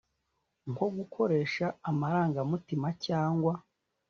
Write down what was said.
nko g-ukore sha amara ng-a-mutima cya ng-wa